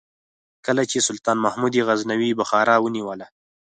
کله چې سلطان محمود غزنوي بخارا ونیوله.